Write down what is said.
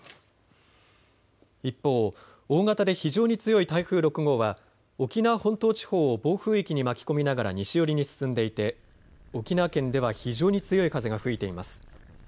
一方、大型で非常に強い台風６号は沖縄本島地方を暴風域に巻き込みながら西寄りに進んでいて沖縄県では非常に強い風が吹いています。